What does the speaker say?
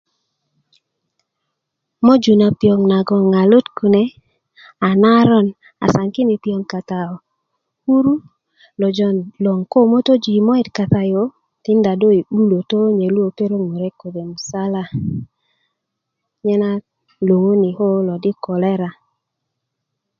möju na piöŋ nagoŋ a lut kune a naron asan kine piöŋ kata yu a kuru lo jon loŋ ko mötöji' yo moyit kata yu tinda do yi 'bulötö ko nye lu ko perok murek kode' musala nyena luŋuni ko di koleta